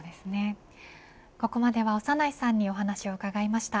ここまでは長内さんにお話を伺いました。